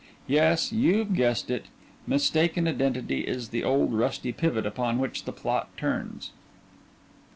Yes, you've guessed it. Mistaken identity is the old rusty pivot upon which the plot turns.